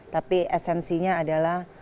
tapi esensinya adalah manusia itu